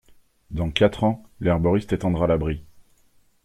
Dans quatre ans, l'herboriste étendra l'abri.